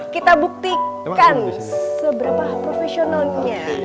kita buktikan seberapa profesionalnya